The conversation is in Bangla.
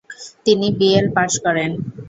তিনি বি এল পাশ করেন।